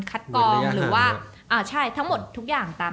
แปะ